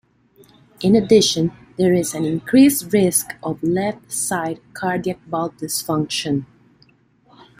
In addition, there is an increased risk of left-sided cardiac valve dysfunction.